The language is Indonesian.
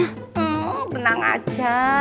hmm benang aja